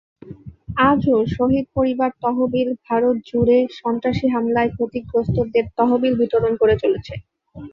আজও, 'শহীদ পরিবার তহবিল' ভারত জুড়ে সন্ত্রাসী হামলায় ক্ষতিগ্রস্থদের তহবিল বিতরণ করে চলেছে।